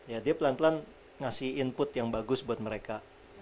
ya dia pelan pelan ngasih input yang bagus buat mereka